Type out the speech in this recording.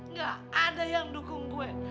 nggak ada yang dukung gue